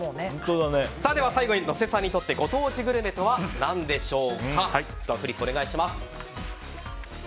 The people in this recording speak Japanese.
最後に野瀬さんにとってご当地グルメとは何でしょうか？